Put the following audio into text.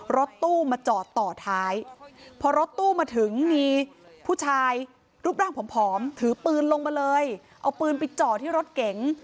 รถตู้มาจอดต่อท้ายพอรถตู้มาถึงมีผู้ชายรูปร่างผอมถือปืนลงมาเลยเอาปืนไปจ่อที่รถเก๋ง